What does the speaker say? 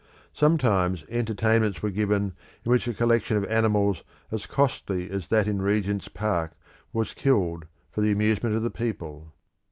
Sometimes entertainments were given in which a collection of animals as costly as that in Regent's Park was killed for the amusement of the people.